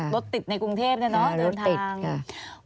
รถติดในกรุงเทพเนี่ยเนาะเดินทาง